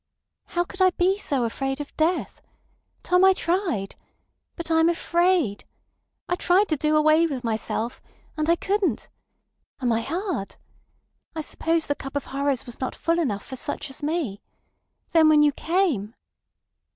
"How could I be so afraid of death! Tom, I tried. But I am afraid. I tried to do away with myself. And I couldn't. Am I hard? I suppose the cup of horrors was not full enough for such as me. Then when you came.